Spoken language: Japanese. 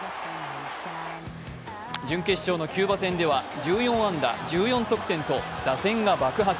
準決勝のキューバ戦では、１４安打１４得点と打線が爆発。